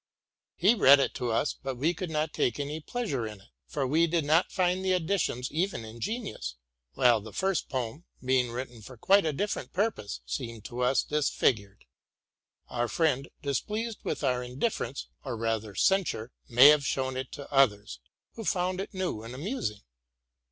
'' He read it to us; ; but we could not take any pleasure in it, for we did not find the additions even ingenious: while the first poem, being written for quite a different. purpose, seemed to us disfigured. Our friend, displeased with our indifference, or rather censure, may have shown it to others, who found it new and amusing.